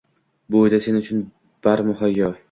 Bu uyda sen uchun bari muhayyo